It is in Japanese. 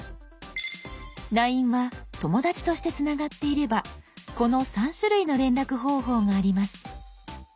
「ＬＩＮＥ」は「友だち」としてつながっていればこの３種類の連絡方法があります。